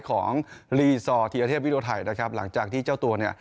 ของลีซอร์ทีละเทพวิดีโอไทยหลังจากที่เจ้าตัว